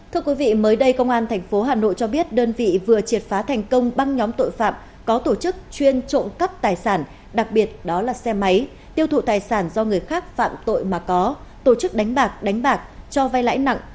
thưa quý vị mới đây công an tp hà nội cho biết đơn vị vừa triệt phá thành công băng nhóm tội phạm có tổ chức chuyên trộm cắp tài sản đặc biệt đó là xe máy tiêu thụ tài sản do người khác phạm tội mà có tổ chức đánh bạc đánh bạc cho vay lãi nặng